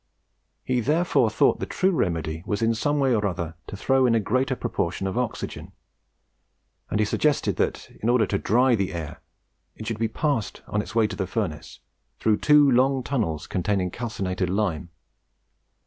He therefore thought the true remedy was in some way or other to throw in a greater proportion of oxygen; and he suggested that, in order to dry the air, it should be passed, on its way to the furnace, through two long tunnels containing calcined lime.